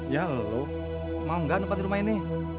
ya lho mau nggak tempat rumah ini